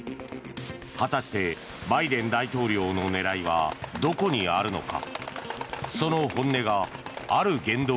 果たしてバイデン大統領の狙いはどこにあるのか。